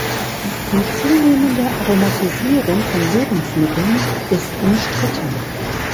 Die zunehmende Aromatisierung von Lebensmitteln ist umstritten.